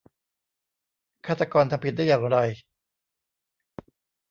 ฆาตกรทำผิดได้อย่างไร